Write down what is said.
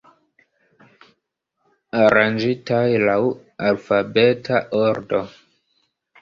Aranĝitaj laŭ alfabeta ordo.